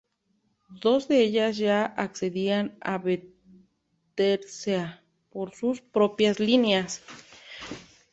Dos de ellas ya accedían a Battersea por sus propias líneas.